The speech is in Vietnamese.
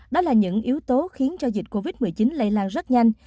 đó là những yếu tố khiến cho dịch covid một mươi chín lây lan rất nhanh